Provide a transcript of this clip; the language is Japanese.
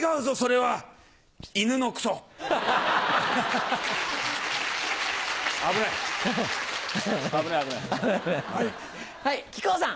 はい木久扇さん。